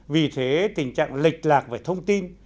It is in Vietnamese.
vì thế tình trạng lịch lạc về thông tin